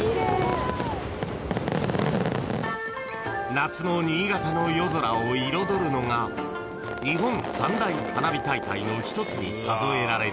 ［夏の新潟の夜空を彩るのが日本三大花火大会の一つに数えられる］